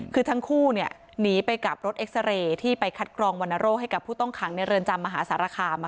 คือทั้งคู่หนีไปกับรถเอ็กซาเรย์ที่ไปคัดกรองวรรณโรคให้กับผู้ต้องขังในเรือนจำมหาสารคาม